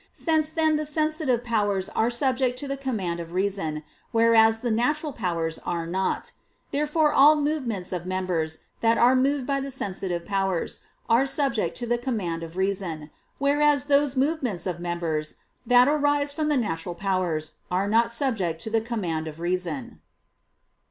Since then the sensitive powers are subject to the command of reason, whereas the natural powers are not; therefore all movements of members, that are moved by the sensitive powers, are subject to the command of reason; whereas those movements of members, that arise from the natural powers, are not subject to the command of reason.